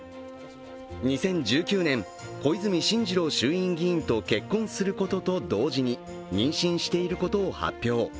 ２０１９年、小泉進次郎衆院議員と結婚すると同時に、妊娠していることを発表。